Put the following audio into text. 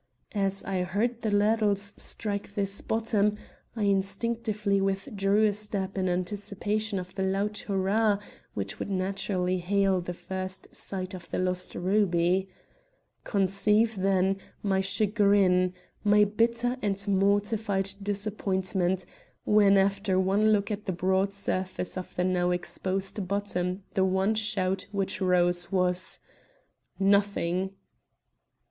As I heard the ladles strike this bottom, I instinctively withdrew a step in anticipation of the loud hurrah which would naturally hail the first sight of the lost ruby. Conceive, then, my chagrin, my bitter and mortified disappointment, when, after one look at the broad surface of the now exposed bottom the one shout which rose was: "_Nothing!